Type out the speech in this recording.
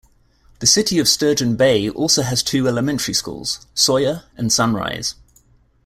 The city of Sturgeon Bay also has two elementary schools: Sawyer, and Sunrise.